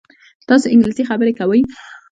تاسو انګلیسي خبرې کوئ؟